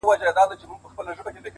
تږي شپې مي پی کړې د سبا په سرابونو کي؛